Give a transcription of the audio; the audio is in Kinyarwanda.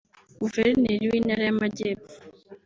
Guverineri w’intara y’Amajyepfo